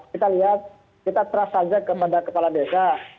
kita lihat kita trust saja kepada kepala desa